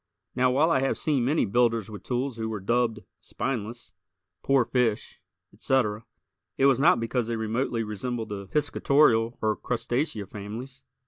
Now, while I have seen many builders with tools who were dubbed "spineless," "poor fish," etc., it was not because they remotely resembled the piscatorial or Crustacea families.